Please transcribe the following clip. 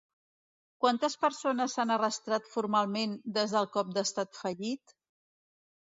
Quantes persones s'han arrestat formalment des del cop d'Estat fallit?